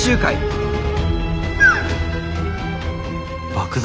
爆弾？